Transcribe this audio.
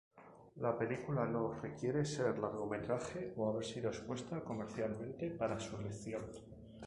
La película no requiere ser largometraje o haber sido expuesta comercialmente para su elección.